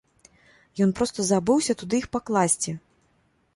Ён проста забыўся туды іх пакласці!